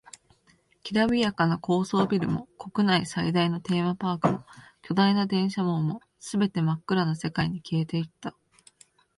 きらびやかな高層ビルも、国内最大のテーマパークも、巨大な電車網も、全て真っ暗な世界に消えていった。